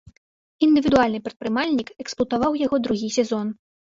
Індывідуальны прадпрымальнік эксплуатаваў яго другі сезон.